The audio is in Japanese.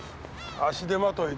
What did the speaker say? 足手まといだ。